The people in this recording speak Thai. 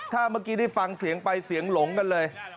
ถ้าเมื่อกี้ได้ฟังเสียงไปเสียงหลงกันเลย